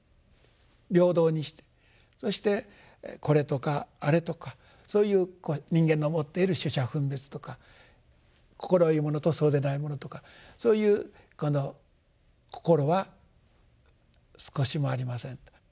平等にしてそしてこれとかあれとかそういう人間の持っている取捨分別とか快いものとそうでないものとかそういうこの心は少しもありませんと。